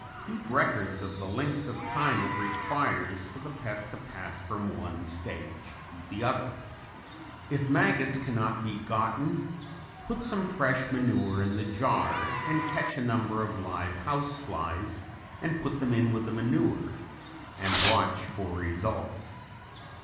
Keep records of the length of time it requires for the pest to pass from one stage to the other. If maggots cannot be gotten put some fresh manure in the jar and catch a number of live house flies and put them in with the manure and watch for results.